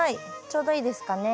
ちょうどいいですかね。